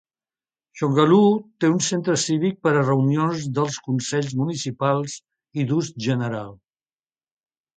Shongaloo té un centre cívic per a reunions dels consell municipal i d'ús general.